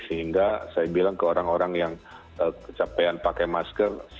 sehingga saya bilang ke orang orang yang kecapean pakai masker